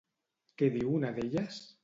Què diu una d'elles?